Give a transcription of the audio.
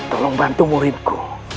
tolong bantu muridku